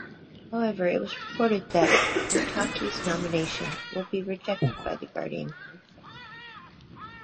However, it was reported that Mottaki's nomination will be rejected by Guardian Council.